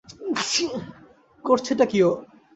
করছেটা কী ও?